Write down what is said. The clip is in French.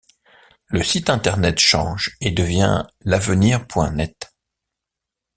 Le site internet change et devient lavenir.net.